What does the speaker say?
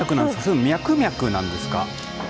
これってミャクミャクなんですか